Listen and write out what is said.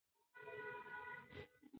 ماشوم په خپلو وړو پښو د کيږدۍ شاوخوا وګرځېد.